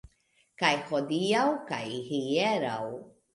Kaj hodiaŭ kaj hieraŭ.